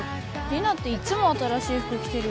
リナっていっつも新しい服着てるよね。